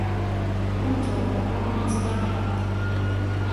彼女は、なかなか見つからなかった。